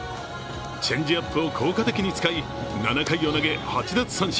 チェンジアップを効果的に使い、７回を投げて８奪三振。